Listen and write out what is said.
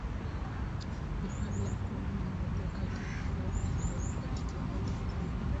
hifadhi ya mikumi ni moja kati ya hifadhi zinazopatikana tanzania